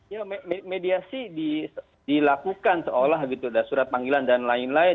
ya mediasi dilakukan seolah gitu ada surat panggilan dan lain lain